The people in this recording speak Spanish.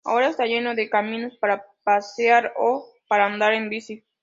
Ahora está lleno de caminos para pasear o para andar en bici.